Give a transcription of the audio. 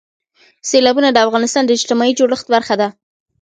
سیلابونه د افغانستان د اجتماعي جوړښت برخه ده.